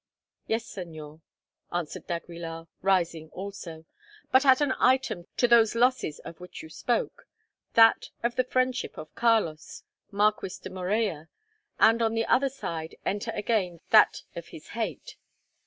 "Yes, Señor," answered d'Aguilar, rising also; "but add an item to those losses of which you spoke, that of the friendship of Carlos, Marquis de Morella, and on the other side enter again that of his hate.